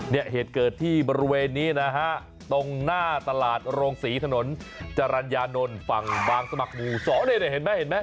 เหตุเกิดที่บริเวณนี้นะฮะตรงหน้าตลาดโรงศรีถนนจรรยานนท์ฝั่งบางสมัครหมู่๒เนี่ยเห็นไหมเห็นไหม